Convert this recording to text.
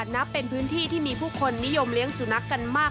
นับเป็นพื้นที่ที่มีผู้คนนิยมเลี้ยงสุนัขกันมาก